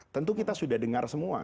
tentu kita sudah dengar semua